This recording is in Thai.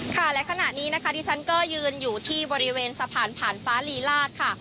และขณะนี้นะคะที่ฉันก็ยืนอยู่ที่บริเวณสะพานผ่านฟ้าลีลาศค่ะ